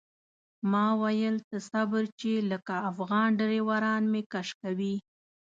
ما ویل ته صبر چې لکه افغان ډریوران مې کش کوي.